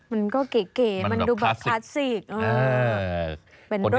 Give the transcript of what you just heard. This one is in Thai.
มันก็เก๋มันดูแบบคลาสสิก